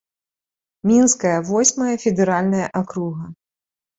Мінская восьмая федэральная акруга.